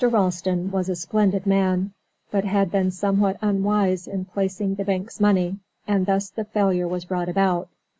Ralston was a splendid man, but had been somewhat unwise in placing the bank's money, and thus the failure was brought about.